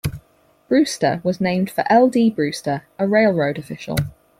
Brewster was named for L. D. Brewster, a railroad official.